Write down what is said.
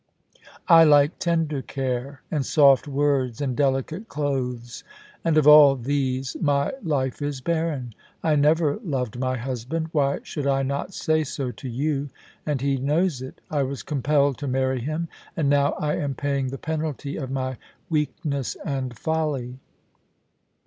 I like tender care, and soft words, and delicate clothes, and of all these my life is barren. I never loved my husband — why should I not say so to you ?— and he knows it I was compelled to marry him ; and now I am paying the penalty of my weakness and folly.'